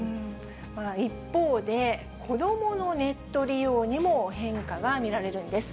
一方で、子どものネット利用にも変化が見られるんです。